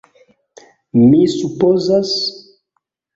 Mi supozas?